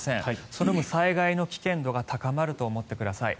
その分、災害の危険度が高まると思ってください。